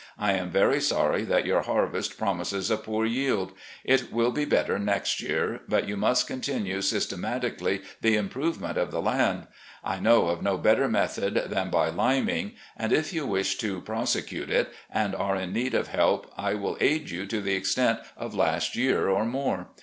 I am very sorry that your harvest promises a poor yield. It will be better next year, but you must continue system atically the improvement of the land. I know of no better method than by liming, and if you wish to pros ecute it, and are in need of help, I will aid you to the extent of last year or more.